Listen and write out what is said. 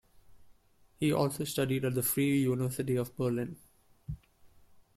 He also studied at the Free University of Berlin.